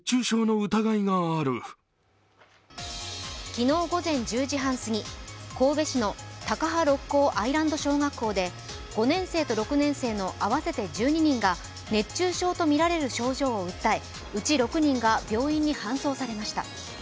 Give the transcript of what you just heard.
昨日午前１０時半すぎ神戸市の高羽六甲アイランド小学校で５年生と６年生の合わせて１２人が熱中症とみられる症状を訴え、うち６人が病院に搬送されました。